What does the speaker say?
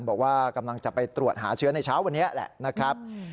บอกว่ากำลังจะไปตรวจหาเชื้อในเช้าวันนี้แหละนะครับ